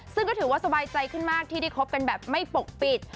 ซึ่งก็ถือว่าสบายใจขึ้นมากที่ได้คบกันแบบไม่ปกปิด